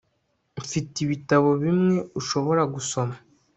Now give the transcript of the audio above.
Mfite ibitabo bimwe ushobora gusoma